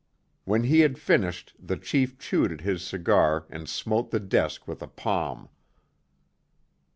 When he had finished the chief chewed at his cigar and smote the desk with a palm.